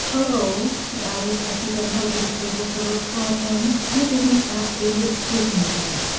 "Hullo!" he added, as he bent over the table to look for a pen; "why didn't that idiot give me these?"